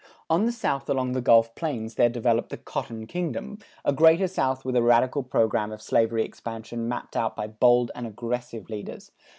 On the south along the Gulf Plains there developed the "Cotton Kingdom," a Greater South with a radical program of slavery expansion mapped out by bold and aggressive leaders.